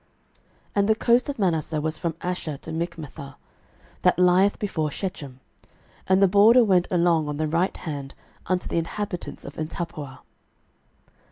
06:017:007 And the coast of Manasseh was from Asher to Michmethah, that lieth before Shechem; and the border went along on the right hand unto the inhabitants of Entappuah.